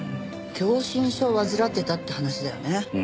狭心症を患ってたって話だよね。